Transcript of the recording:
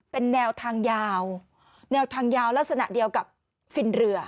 เป็นแนวทางยาวแนวทางยาวลักษณะเดียวกับฟินเรือ